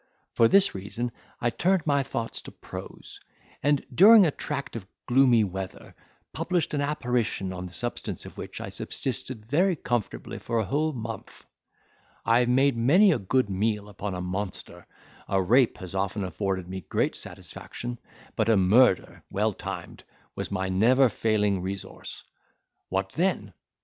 For this reason I turned my thoughts to prose, and, during a tract of gloomy weather, published an apparition, on the substance of which I subsisted very comfortably a whole month; I have made many a good meal upon a monster; a rape has often afforded me great satisfaction; but a murder, well timed, was my never failing resource. What then?